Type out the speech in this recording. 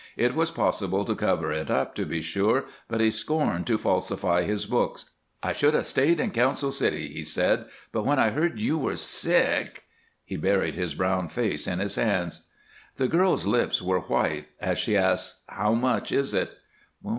It was possible to cover it up, to be sure, but he scorned to falsify his books. "I should have stayed in Council City," he said, "but when I heard you were sick " He buried his brown face in his hands. The girl's lips were white as she asked, "How much is it?"